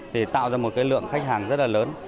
thì tạo ra một cái lượng khách hàng rất là lớn